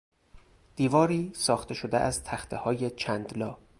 دیواری ساخته شده از تختههای چند لا